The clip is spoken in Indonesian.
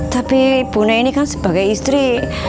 tapi bu nek ini kan sebagai istri